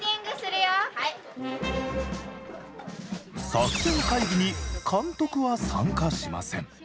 作戦会議に監督は参加しません。